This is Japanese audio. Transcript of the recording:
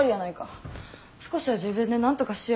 少しは自分でなんとかしよう思わんの？